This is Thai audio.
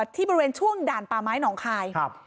ที่บริเวณช่วงด่านป่าไม้หนองคาย